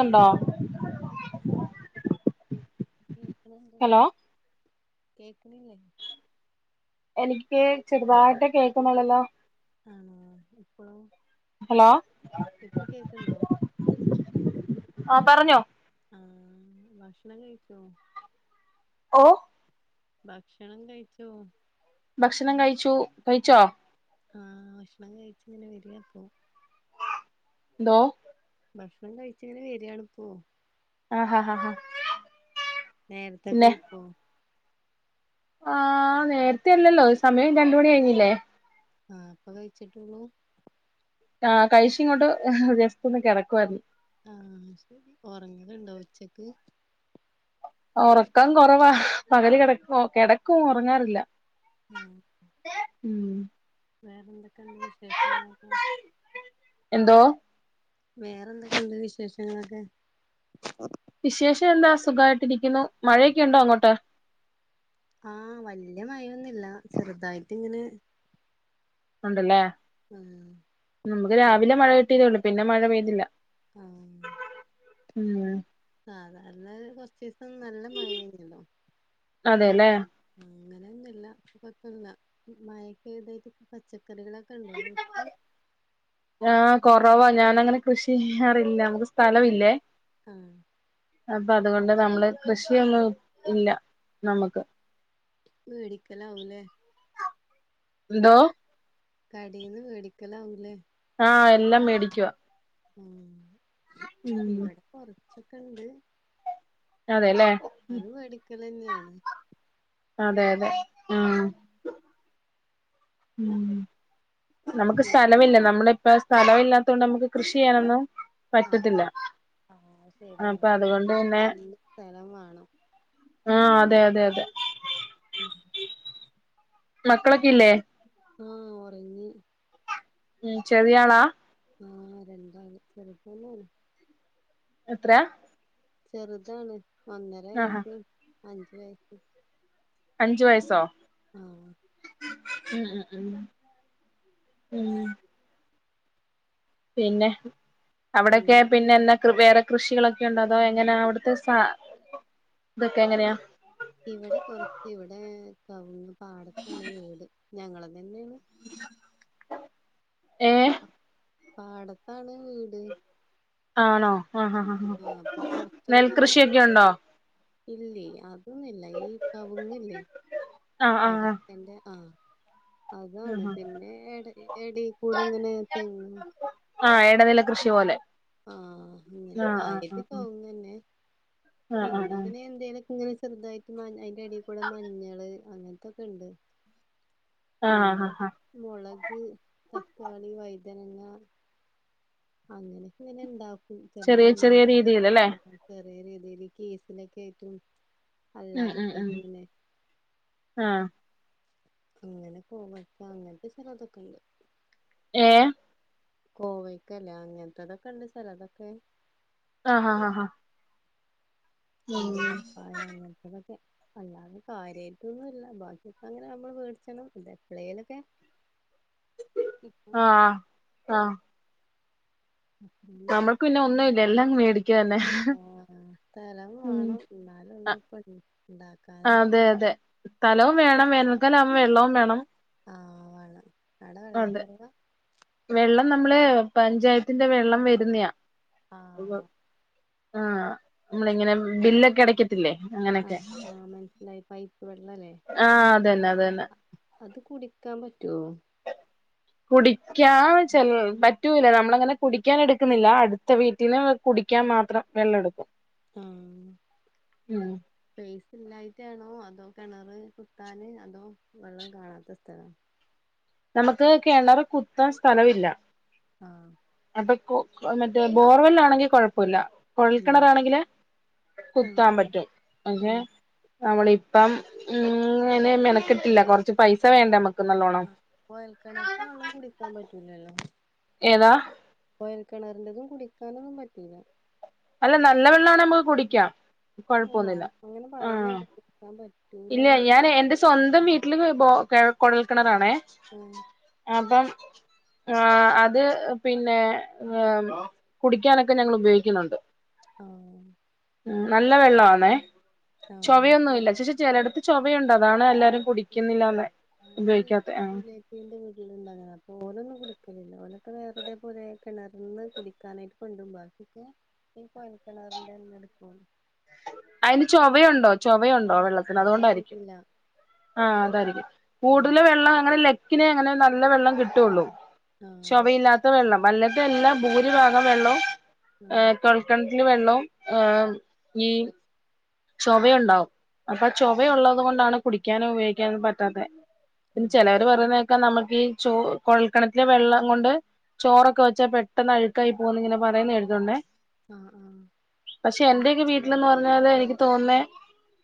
നിന്നോ ആഹ്. കേക്ക്ണിണ്ട്. ഹലോ കേക്ക്ണില്ലേ? എനിക്ക് ചെറുതായിട്ടെ കേക്കുന്നുള്ളല്ലോ. ആണോ ഇപ്പളോ? ഹലോ. ഇപ്പൊ കേക്കുന്നോ? ആഹ് പറഞ്ഞോ. ആഹ് ഭക്ഷണം കഴിച്ചോ? ഓഹ് ഭക്ഷണം കഴിച്ചോ? ഭക്ഷണം കഴിച്ചു. കഴിച്ചോ? ആഹ് ഭക്ഷണം കഴിച്ചിങ്ങനെ വരുവാ ഇപ്പൊ. എന്തോ? ഭക്ഷണം കഴിച്ചിങ്ങനെ വരുകയാണിപ്പോ. ആഹ്-ഹാ-ഹാ-ഹാ. നേരത്തെ കയിക്കോ? ആഹ് നേരത്തെ അല്ലല്ലോ സമയം രണ്ട് മണി കഴിഞ്ഞില്ലേ ആഹ് ഇപ്പ കഴിച്ചിട്ടേള്ളൂ ആഹ് കഴിച്ച് ഇങ്ങോട്ട് ആഹ് ജസ്റ്റ് ഒന്ന് കെടക്കുവാരുന്നു ആഹ് ശരി ഒറങ്ങലുണ്ടോ ഉച്ചക്ക് ഒറക്കം കുറവാ പകല് കെടക്കും കെടക്കും ഒറങ്ങാറില്ല ആഹ് ഉം വേറെ എന്തൊക്കെണ്ട് വിശേഷങ്ങളൊക്കെ എന്തോ വേറെന്തൊക്കെണ്ട് വിശേഷങ്ങളൊക്കെ വിശേഷം എന്താ സുഖായിട്ടിരിക്കുന്നു മഴയൊക്കെ ഉണ്ടോ അങ്ങോട്ട് ആഹ് വല്യ മയൊന്നുല്ല ചെറുതായിട്ട് ഇങ്ങനെ ഉണ്ടല്ലേ ആ നമുക്ക് അത് രാവിലെ മഴ കിട്ടിയതേഉള്ളൂ പിന്നെ മഴ പെയ്തില്ല ആഹ് ഉം സാധാരണ കൊറച്ചീസം നല്ല മയേരുന്നല്ലോ അതെല്ലേ ഉം അങ്ങനെന്നുല്ല ഇപ്പ കൊയപ്പല്ല മയേക്ക ഇതായിട്ട് ഇപ്പ പച്ചക്കറികളൊക്കെ ഉണ്ടോ നിങ്ങക്ക് ആഹ് കൊറവാ ഞാനങ്ങനെ കൃഷി ചെയ്യാറില്ല ഞങ്ങക്ക് സ്ഥലവില്ലേ ആഹ് അപ്പൊ അതുകൊണ്ട് നമ്മള് കൃഷിയൊന്നും ഇല്ല നമുക്ക് മേടിക്കലാവൂല്ലേ എന്തോ കടെന്ന് മേടിക്കലാവുല്ലേ ആഹ് എല്ലാം മേടിക്കുവാ ഉം ഉം ഇവിടെ കൊറച്ചൊക്കെണ്ട് അതെല്ലേ ന്നാലും വേടിക്കലെന്നെയാണ് അതെ അതെ ആഹ് ഉം നമുക്ക് പിന്നെ സ്ഥലവില്ല നമ്മള് ഇപ്പ സ്ഥലവില്ലാത്ത കൊണ്ട് നമുക്ക് കൃഷിയ്യാനൊന്നും ആഹ് ആഹ് ആഹ് ശരിയാണ് അപ്പൊ അതുകൊണ്ട് പിന്നെ ഇപ്പൊ ഈ സ്ഥലം വേണം ആഹ് അതെ അതെ അതെ ഉം മക്കളൊക്കെ ഇല്ലേ ആഹ് ഒറങ്ങി ഉം ചെറിയാളാ ആഹ് രണ്ടാള് ചെറുപ്പന്നാണ് എത്രയാ ചെറുതാണ് ഒന്നര ആഹാ വയസ്സും അഞ്ച് വയസ്സും അഞ്ചു വയസ്സോ ആഹ് ഉം ഉം ഉം ഉം പിന്നെ അവിടൊക്കെ പിന്നെന്തൊക്കെ പിന്നെ എന്താ കൃ വേറെ കൃഷികളൊക്കെ ഉണ്ടോ അതോ എങ്ങനാ അവിടുത്തെ സ ഇതൊക്കെ എങ്ങനെയാ ഇവിടെ പൊറത്ത് ഇവിടെ കവുങ്ങ് പാടത്താണ് വീട് ഞങ്ങളതന്നേണ് ഏഹ് പാടത്താണ് വീട് ആണോ ആഹ് ആഹ് ആഹ് ആഹ് അപ്പൊ പുറത്തെങ്ങനെ നെൽകൃഷിയൊക്കെ ഉണ്ടോ ഇല്ലേ അതൊന്നില്ല ഈ കവുങ്ങില്ലേ ആഹ് ആഹ് അടക് എന്റെ ആഹ് അതാണ് ആഹ് പിന്നെ എട എടെ കൂടെ ഇങ്ങനെ തെങ്ങും ആഹ് ഇടനില കൃഷി പോലെ ആഹ് അങ്ങനെ ആഹ് ആഹ് കാര്യത്തിക്കാവന്നെ ആഹ് പിന്നെ ആഹ് ആഹ് ഇങ്ങനെ എന്തേലൊക്കെ ഇങ്ങനെ ചെറുതായിട്ട് മ അയിന്റെ അടിൽ കൂടെ മഞ്ഞള് അങ്ങനത്തൊക്കെ ഉണ്ട് ആഹ് ആഹ് പിന്നെ ആഹ് ആഹ് മുളക് തക്കാളി വഴുതനങ്ങ അങ്ങനക്കെ ഇങ്ങനെ ഇണ്ടാക്കും ചില ചെറിയ ചെറിയ ടൈമിലൊക്കെ രീതിൽ അല്ലേ ചെറിയ രീതിയിൽ കേസിലൊക്കെ ആയിട്ടും അല്ല [unintelligible] ഉം ഉം ഉം അതൊക്കട്ട് തന്നെ ആഹ് അങ്ങനെ പോകും ഇപ്പം അങ്ങനത്തെ ചിലതൊക്കെ ഉണ്ട് ഏഹ് കോവയ്ക്കല്ലേ അങ്ങനത്തെതൊക്കെ ഉണ്ട് സ്ഥലതൊക്കെ ആഹ് ആഹ് ആഹാ ഉം പപ്പായാ അങ്ങനത്തതൊക്കെ അല്ലാതെ കാര്യമായിട്ട് ഒന്നും ഇല്ല ബാക്കി ഇപ്പോ അങ്ങനെ നമ്മള് മേടിച്ചണം ഇത് എപ്പളേലൊക്കെ കിട്ടും ആഹ് ആഹ് ഉം പിന്നെ നമ്മൾക്ക് പിന്നെ ഒന്നും ഇല്ല എല്ലാം മേടിക്കുക തന്നെ ആഹ് സ്ഥലം ഉം വേണം എന്നാലും ഉള്ളൂ ഇപ്പൊ ഉണ്ടാക്കാനും അതെ അതെ സ്ഥലവും വേണം വേനൽക്കാലമാകുമ്പോ വെള്ളവും വേണം ആഹ് വളം അവിടെ വെള്ളം കുറവാ വെള്ളം നമ്മള് പഞ്ചായത്തിന്റെ വെള്ളം വരുന്നയാ ആഹ് ആഹ് നമ്മളിങ്ങനെ ബില്ലൊക്കെ അടയ്ക്ക [unintelligible] ല്ലെ ആ ആഹ് മനസ്സിലായി പൈപ്പ് വെള്ളല്ലേ ആഹ് അതന്നെ അതന്നെ അത് കുടിക്കാൻ പറ്റുവോ കുടിക്കാൻ ചില പറ്റൂല നമ്മളങ്ങനെ കുടിക്കാൻ എടുക്കുന്നില്ല അടുത്ത വീട്ടിന്ന് കുടിക്കാൻ മാത്രം വെള്ളം എടുക്കും ആഹ് ഉം സ്പേസ് ഇല്ലായിട്ടാണോ അതോ കിണറ് കുത്താന് അതോ വെള്ളം കാണാത്ത സ്ഥലം നമുക്ക് കെണറ് കുത്താൻ സ്ഥലമില്ല ആഹ് അപ്പൊ മറ്റേ ബോർവെല്ലാണെങ്കിൽ കുഴപ്പമില്ല ഉം കൊഴൽക്കിണറാണെങ്കില് ആഹ് കുത്താൻ ആഹ് പറ്റും അങ്ങെ നമ്മളിപ്പം ഇങ്ങനെ മെനക്കെട്ടില്ല കൊറച്ച് പൈസ വേണ്ട നമുക്ക് നല്ലോണം കുഴൽക്കിണറത്തെ വെള്ളം കുടിക്കാൻ പറ്റൂല്ലല്ലോ ഏതാ കുഴൽ കിണറിന്റെതും കുടിക്കാനൊന്നും പറ്റൂല്ല അല്ല നല്ല വെള്ളമാണേ നമുക്ക് കുടിക്കാം കുഴപ്പൊന്നുമില്ല ആഹ് [unintelligible] പറ്റുമോ ഇല്ല ഞാൻ എന്റെ സ്വന്തം വീട്ടില് ബോ കുഴൽക്കിണറാണേ ഉം അപ്പം ആഹ് അത് പിന്നെ വേണോ കുടിക്കാനൊക്കെ ഞങ്ങൾ ഉപയോഗിക്കുണ് ണ്ട് ആഹ് ആഹ് നല്ല വെള്ള ആന്നേ ചൊവയൊന്നുംല്ല ശെ ചെലടുത്ത് ചൊവയുണ്ട് അതാണ് എല്ലാരും കുടിക്കുന്നില്ലാന്ന് ഉപയോഗിക്കാത്തെ ആഹ് ഇന്റെ വീട്ട്ല്ണ്ടങ്ങനെ അപ്പൊ ഓലൊന്നും കുടിക്കലില്ല ഓലൊക്കെ വേറെ ഇതേപോലെ കിണർന്ന് കുടി ക്കാനായിട്ട് കൊണ്ടരും ബാക്കിയൊക്കെ ഈ കൊഴൽക്കെണറിന്റെന്ന എടുക്കും അയിന് ചൊവയുണ്ടോ ചൊവയുണ്ടോ വെള്ള ത്തിന് അതോണ്ടാരിക്കും അതറിയില്ല ആഹ് അതായിരിക്കും ആഹ് കൂടുതൽ വെള്ളം അങ്ങനെ ല ക്കിനെ അങ്ങനെ നല്ല വെള്ളം കിട്ടൊള്ളൂ ആഹ് ശൊവയില്ലാത്ത വെള്ളം അല്ലത്തെ എല്ലാം ഭൂരിഭാഗം വെള്ളവും ആഹ് ഏഹ് കെ കെണറ്റില് വെള്ളം ഏഹ് ഈ ചൊവയുണ്ടാവും അപ്പൊ ചൊവയുള്ളത് കൊണ്ടാണ് കുടിക്കാനും ഉപയോഗിക്കാനും പറ്റാത്തെ പിന്നെ ചെലവർ പറയുന്നേക്കാ നമുക്ക് ഈ ചോ കൊഴൽക്കിണറ്റിലെ വെള്ളം കൊണ്ട് ചോറൊക്കെ വെച്ചാ പെട്ടെന്ന് അഴുക്കായി പോകുന്ന് ഇങ്ങനെ പറയുന്നെ കേട്ടിട്ടുണ്ടേ ആഹ് ആഹ് പക്ഷെ എന്റെയൊക്കെ വീട്ടില് ന്ന് പറഞ്ഞാല് എനിക്ക് തോന്നേ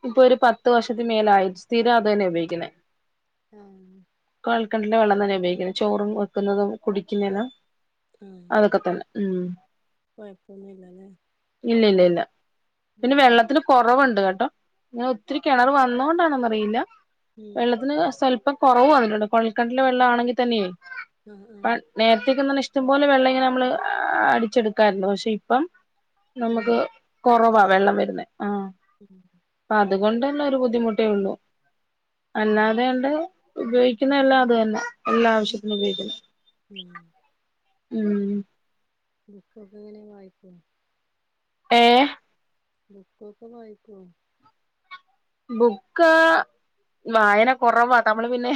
ഇപ്പൊ ഒരു പത്ത് വർഷത്തി മേലായി സ്ഥിരം അത് തന്നെ ഉപയോഗിക്കുന്നേ ആഹ് കൊയൽക്കിണറിലെ വെള്ളം തന്നെ ഉപയോഗിക്കുന്നത് ചോറും വെക്കുന്നതും കുടിക്കുന്നെല്ല അതൊക്കെ തന്നെ ഉം കൊയപ്പൊന്നും ഇല്ലല്ലെ ഇല്ല ഇല്ല ഇല്ല പിന്നെ വെള്ളത്തിന് കൊറവുണ്ട് കേട്ടോ ഇങ്ങനെ ഒത്തിരി കെണർ വന്നോണ്ടാണോന്നറിയില്ല ഉം വെള്ളത്തിന് സ്വല്പ്പം കൊറവു വന്നിട്ടുണ്ട് കൊഴൽക്കിണറിലെ വെള്ള ആണെങ്കി തന്നെയേ ആഹ് ആഹ് നേരത്തേക്കെന്നെ ഇഷ്ടം പോലെ വെള്ളം ഇങ്ങനെ നമ്മള് അടിച്ചെടുക്കായിരുന്നു പക്ഷെ ഇപ്പം ഉം നമുക്ക് കൊറവാ വെള്ളം വരുന്നെ ആഹ് ഉം പ്പ അതുകൊണ്ടന്നൊരു ബുദ്ധിമുട്ടേ ഒള്ളൂ ആഹ് അല്ലാതെണ്ട് ഉപയോഗിക്കുന്നെല്ലാം അത് തന്നെ എല്ലാ ആവശ്യത്തിനും ഉപയോഗിക്കുന്നെ ഉം ഉം ബുക്കൊക്കെ എങ്ങനെ വായിക്കോ ഏഹ് ബുക്കൊക്കെ വായിക്കുവോ ബുക്ക് വായന കൊറവാ അത് നമ്മള് പിന്നെ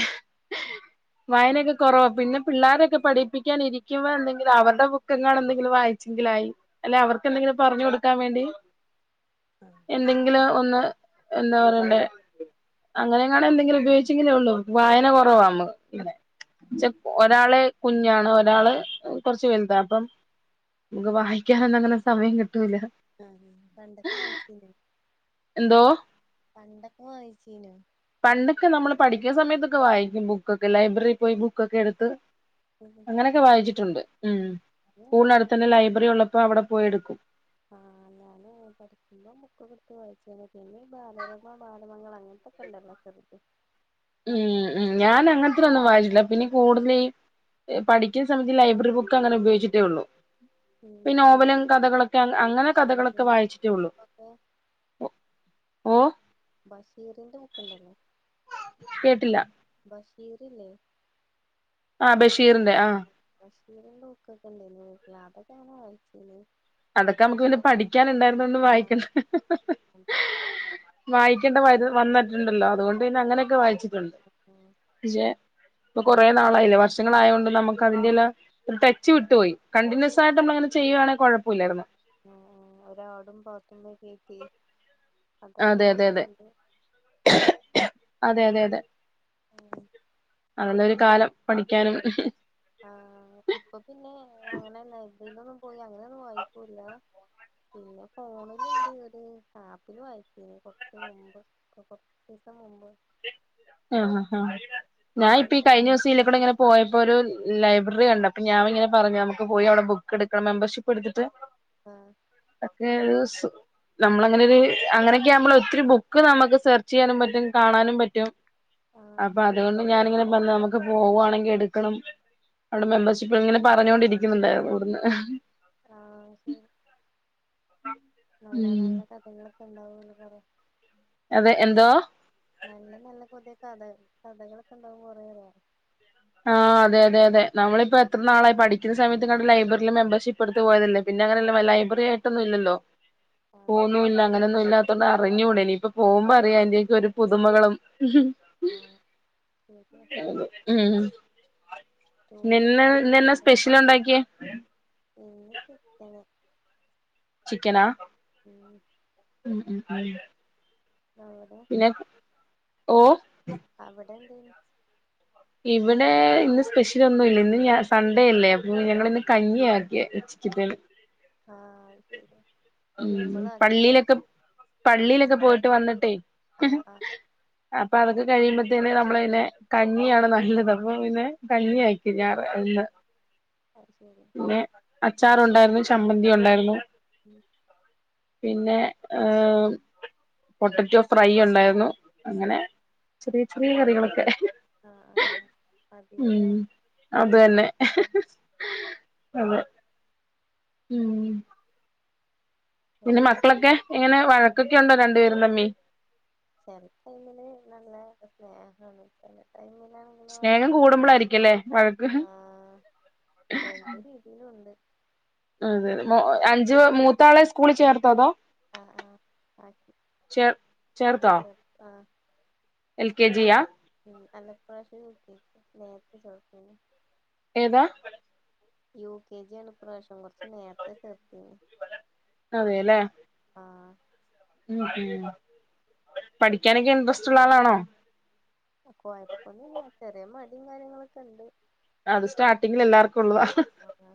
[inaudible] വായനൊക്കെ കൊറവാ പിന്നെ പിള്ളോരൊക്കെ പഠിപ്പിക്കാൻ ഇരിക്കുമ്പോ എന്തെങ്കിലും അവരുടെ ബുക്കെങ്ങാനും എന്തെങ്കിലും വായിച്ചെങ്കിലായി അല്ലെ അവർക്ക് എന്തെങ്കിലും പറഞ്ഞു കൊടുക്കാൻ വേണ്ടി ആഹ് എന്തെങ്കിലും ഒന്ന് എന്താ പറയണ്ടെ അങ്ങനെങ്ങാനും എന്തെങ്കിലും ഉപയോഗിച്ചെങ്കിലേ ഉള്ളൂ വായന കൊറവാ നമ്മുക്ക് ഉം ഒരാള് കുഞ്ഞാണ് ഒരാള് കൊറച്ച് വലുതാ അപ്പം നമുക്ക് വായിക്കാനൊന്നും അങ്ങനെ സമയം കിട്ടൂല ആഹ് ആഹ് പണ്ടൊക്കെ വായിച്ചിനൊ എന്തോ പണ്ടൊക്കെ വാങ്ങിച്ചീനോ? പണ്ടൊക്കെ നമ്മള് പഠിക്കുന്ന സമയത്തൊക്കെ വായിക്കും ബുക്കൊക്കെ ലൈബ്രറി പോയി ബുക്കൊക്കെ എടുത്ത് ആഹ് അങ്ങനൊക്കെ വായിച്ചിട്ടുണ്ട് ഉം സ്കൂളി നടുത്ത് തന്നെ ലൈബ്രറി ഉള്ളപ്പോ അവിടെ പോയി എടുക്കും ആഹ് ഞാന് പഠിക്കുമ്പോ ബുക്കോക്കെ എടുത്ത് വായിച്ചീനി പിന്നെ ഈ ബാലരമ, ബാലമംഗളം അങ്ങൻത്തെക്കെ ഇണ്ടല്ലോ ചെറുത് ഉം ഉം ഞാൻ അങ്ങൻത്തെ തോന്നും വായിച്ചിട്ടില്ല പിന്നെ കൂടുതല് ഈ പഠിക്കുന്ന സമയത്ത് ലൈബ്രറി ബുക്ക് അങ്ങനെ ഉപയോഗിച്ചിട്ടേ ഒള്ളൂ ഈ ഉം നോവലും കഥകളൊക്കെ അങ്ങ അങ്ങനെ കഥകളൊക്കെ ബഷീറിന്റെ വായിച്ചിട്ടേ ഒള്ളു ബുക്കൊക്കെ ബഷീറിന്റെ ബുക്ക്ണ്ടല്ലോ കേട്ടില്ല ബഷീറ് ല്ലേ ആഹ് ബഷീറിന്റെ ആഹ് ബഷീറിന്റെ ബുക്കൊക്കെ ഇണ്ടേനി അതൊക്കെ ഇങ്ങനെ വായിച്ചീനി അതൊക്കെ നമ്മക്ക് പിന്നെ പഠിക്കനുണ്ടായിരുന്നോണ്ട് ആഹ് വായിക്കണ്ട അതെ വായിക്കേണ്ട വ വന്നിട്ടുണ്ടല്ലോ അതുകൊണ്ട് പിന്നെ അങ്ങനെക്കെ വായിച്ചിട്ടുണ്ട് [unintelligible] പക്ഷെ ഇപ്പൊ കൊറെ നാളായില്ലേ വർഷങ്ങളായോണ്ട് നമ്മക്ക് അതിന്റെല്ല ഒരു ടച്ച് വിട്ടുപോയി കണ്ടിന്യൂസ് ആയിട്ട് നമ്മളങ്ങനെ ചെയ്യുവാണെ കോഴപ്പല്ലായിരുന്നു ആഹ് ഒരാടും പാത്തുമ്പോ കേറ്റി അതൊക്കെ അതെ അതെ അതെ ഓർമ്മണ്ട് അതെ അതെ അതെ ആഹ് അങ്ങനോരു കാലം പഠിക്കാനും ആഹ് ഇപ്പൊ പിന്നെ അങ്ങനെ ലൈബ്രറിലൊന്നും പോയി അങ്ങനെന്നും വായിക്കൂല പിന്നെ ഫോണില്ണ്ട് ഒരു ആപ്പില് വായിച്ചീനി കോർച്ച് മുമ്പ് പ്പോ കൊർച്ചീസം മുമ്പ് ആഹ് ആഹ് ആഹ് ഞാൻ ഇപ്പൊ ഈ അയിലൊന്നും നല്ല കഴിഞ്ഞ ദിവസം ഇയ്ലുകുടെ ഇങ്ങനെ പോയപ്പോ ഒരു ലൈബ്രറി കണ്ടപ്പം ഞാനിങ്ങനെ പറഞ്ഞു നമക്ക് പോയി അവിടെ ബുക്ക് എടുക്കണം മെമ്പർഷിപ്പ് എടുത്തിട്ട് ആഹ് [unintelligible] നമ്മള് അങ്ങനെ ഒര് അങ്ങനെക്കെ ആവുമ്പള് ഒത്തിരി ബുക്ക് നമുക്ക് സെർച്ച് ചെയ്യാനും പറ്റും കാണാനും പറ്റും. ആഹ് അപ്പ അതുകൊണ്ട് ഞാനിങ്ങനെ [unintelligible] ക്കെ പോവാണെങ്കി എടുക്കണം അവിടെ മെമ്പർഷിപ്പ് ഇങ്ങനെ പറഞ്ഞൊണ്ടിരിക്കുന്നുണ്ടായിരുന്നു ഇവടുന്ന് ഉം ആഹ് ശെരി [unintelligible] നല്ല നല്ല കഥകളൊക്കെ ഇണ്ടാവല്ലോ കൊറെ അതെ എന്തോ? നല്ല നല്ല പുതിയ കഥ കഥകളൊക്കെ ഇണ്ടാവും കൊറെ [unintelligible] ആഹ് അതെ അതെ അതെ നമ്മളിപ്പോ എത്ര നാളായി പഠിക്കുന്ന സമയത്ത് ഇങ്ങാണ്ട് ലൈബ്രറില് മെമ്പർഷിപ്പ് എടുത്ത് പോയതല്ലേ. പിന്നെ അങ്ങനെല്ല ലൈബ്രറി ആയിട്ടൊന്നും ഇല്ലല്ലോ ആ പോകുന്നുല്ല അങ്ങനൊന്നുല്ല പ്പന്നു അറിഞ്ഞുടാ ഇനിപ്പ പോകുമ്പോ അറിയ എന്തെങ്കി ഒരു പുതുമകളും ആഹ് [unintelligible] ഉം ഉം [unintelligible] ടൂറൊക്കെ ഇന്ന് ന്നാ പോകലുണ്ടോ സ്പെഷ്യല് ഉണ്ടാക്കിയേ? ഇന്ന് ചിക്കൻ ചിക്കനാ? ഉം [unintelligible] അവിടേ പിന്നെ ഓഹ്. അവിടെ എന്തേനു? ഇവിടെ ഇന്ന് സ്പെഷ്യൽ ഒന്നും ഇല്ല ഇന്ന് സൺഡേ അല്ലേ അപ്പൊ ആ ഞങ്ങളിന്ന്. കഞ്ഞി ആകിയ വെച്ചിട്ടിള്ളത്. ആഹ് ശരി ഉം സിമ്പൾ ആക് ല്ലേ. പള്ളിയിലൊക്കെ പള്ളിയിലൊക്കെ പോയിട്ട് വന്നിട്ട്. ആഹ് ആഹ്. അപ്പൊ അതൊക്കെ കഴിയുമ്പത്തേൻ നമ്മള പിന്നെ കഞ്ഞിയാണ് നല്ലത് അപ്പൊ പിന്നെ കഞ്ഞി ഉം [unintelligible] അത് ശരി. പിന്നെ അച്ചാറുണ്ടായിരുന്നു ചമ്മന്തി ഉണ്ടായിരുന്നു. ഉം പിന്നെഉം പൊട്ടറ്റോ ഫ്രൈ ഉണ്ടായിരുന്നു അങ്ങനെ ചെറിയ ചെറിയ കറികളൊക്കെ. ആഹ് ആഹ് മതിയല്ലോ ഉം അത് തന്നെ അതെ. ഉം പിന്നെ വേറെ മക്കളൊക്കെ എങ്ങനെ വഴക്കൊക്കെ ഉണ്ടോ രണ്ടുപേരും തമ്മി ചില ടൈമില് നല്ല സ്നേഹാണ് ചില ടൈമിലാണ് സ്നേഹം [unintelligible] കൂടുമ്പോളായിരിക്കുംല്ലേ വഴക്ക് ആഹ് രണ്ട് രീതിയിലും ഉണ്ട് ആഹ് അതെ അഞ്ച് മൂത്താളെ സ്കൂളിൽ ചേർത്തോതോ ആഹ് ആഹ് ആക്കി ചേർത്തോ എൽ കെ ജിയാ ഉം അല്ല ഇപ്രാവശ്യം യുകെജിയാ നേരത്തെ ചേർത്തിനി ഏതാ യു കെ ജിയാണ് ഇപ്രാവശ്യം കുറചു നേരത്തെ ചേർത്തിന് അതെല്ലേ ആഹ് ആഹാ പഠിക്കാനൊക്കെ ഇൻട്രസ്റ്റ് ഉള്ള ആളാണോ കുഴപ്പൊന്നില്ല ചെറിയ മടിയും കാര്യങ്ങളൊക്കെ ഉണ്ട് അത് സ്റ്റാർട്ടിങ്ങിൽ എല്ലാർക്കും ഉള്ളതാ ആഹ്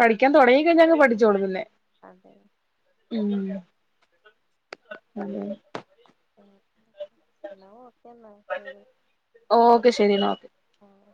പഠിക്കാൻ തുടങ്ങി കഴിഞ്ഞാ അങ്ങ് പഠിച്ചോളും പിന്നെ അതെ ഉം അതെ എന്നാ ഓക്കേന്ന ശെരി ഓ ഓക്കെ ശരി എന്നാ ഓക്കെ ആഹ്